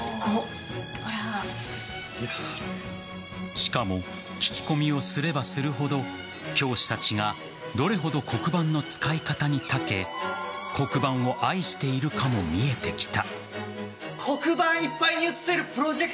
しかも聞き込みをすればするほど教師たちがどれほど黒板の使い方にたけ黒板を愛しているかも見えてきた。